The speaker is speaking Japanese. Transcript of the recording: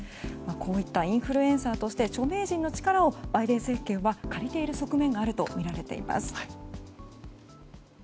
こういったインフルエンサーとして著名人の力をバイデン政権は借りている側面があるとみられています。